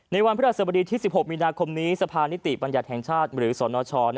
วันพระราชสบดีที่๑๖มีนาคมนี้สภานิติบัญญัติแห่งชาติหรือสนช